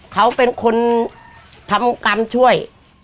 เขาเป็นคนทำคำช่วย